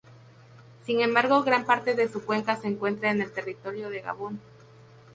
Sin embargo gran parte de su cuenca se encuentra en el territorio de Gabón.